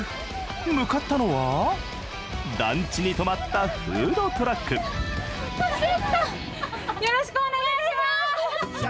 向かったのは団地に止まったフードトラックよろしくお願いします。